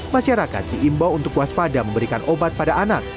masyarakat diimbau untuk waspada memberikan obat pada anak